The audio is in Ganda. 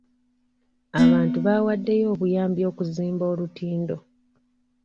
Abantu baawaddeyo obuyambi okuzimba olutindo.